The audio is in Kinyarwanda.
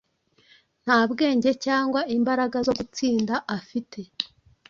Nta bwenge cyangwa imbaraga zo gutsinda afite;